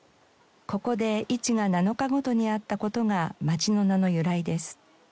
ここで市が７日ごとにあった事が町の名の由来です。